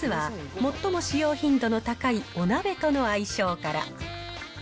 まずは最も使用頻度の高いお鍋との相性から。